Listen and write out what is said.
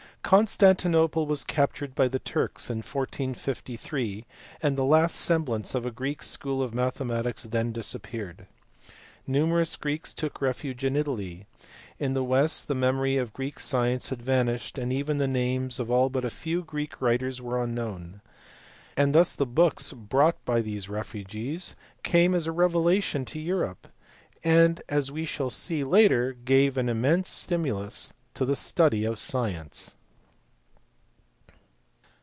Constantinople was captured by the Turks in 1453, and the last semblance of a Greek school of mathematics then disap peared. Numerous Greeks took refuge in Italy. In the West the memory of Greek science had vanished and even the names of all but a few Greek writers were unknown ; thus the books brought by these refugees came as a revelation to Europe, and as we shall see later gave an immense stimulus to the study of science.